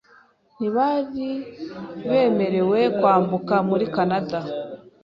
Ntibari bemerewe kwambuka muri Kanada.